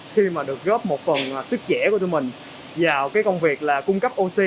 khi mà được góp một phần sức trẻ của tụi mình vào cái công việc là cung cấp oxy